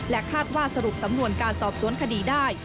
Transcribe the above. คาดว่าสรุปสำนวนการสอบสวนคดีได้